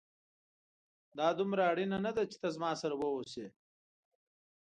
دا دومره اړينه نه ده چي ته زما سره واوسې